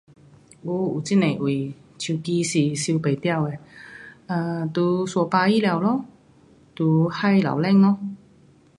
有，有很多位手机是收不到的。um 在山芭那头咯，在海楼上咯。